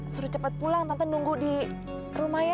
suruh cepat pulang tante nunggu di rumah ya